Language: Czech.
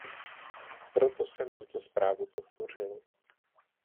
Proto jsem tuto zprávu podpořil.